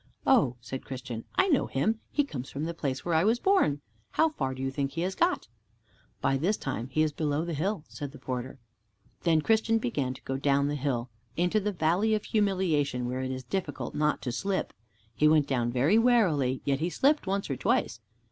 "Oh," said Christian, "I know him. He comes from the place where I was born. How far do you think he has got?" "By this time he is below the hill," said the porter. Then Christian began to go down the hill into the Valley of Humiliation, where it is difficult not to slip. He went down very warily, yet he slipped once or twice.